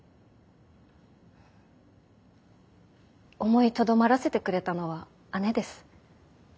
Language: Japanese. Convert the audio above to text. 思いとどまらせてくれたのは姉です。